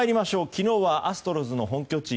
昨日はアストロズの本拠地